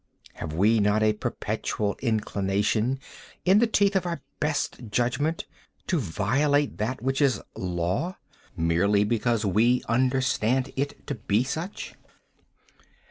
Have we not a perpetual inclination, in the teeth of our best judgment, to violate that which is Law, merely because we understand it to be such?